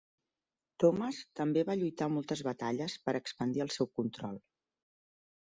Thomas també va lluitar moltes batalles per expandir el seu control.